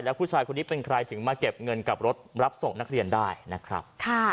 แล้วผู้ชายคนนี้เป็นใครถึงมาเก็บเงินกับรถรับส่งนักเรียนได้นะครับ